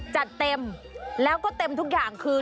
จัดเต็มแล้วก็เต็มทุกอย่างคือ